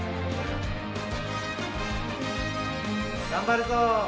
頑張るぞ！